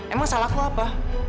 emang salah aku apa